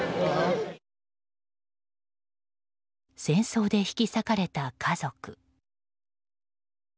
戦争で引き裂かれた家族。